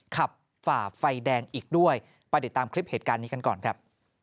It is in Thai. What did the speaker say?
ฝ่าไฟแดงอีกด้วยไปติดตามคลิปเหตุการณ์นี้กันก่อนครับ